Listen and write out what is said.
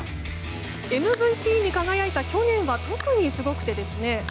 ＭＶＰに輝いた去年は特にすごくてですね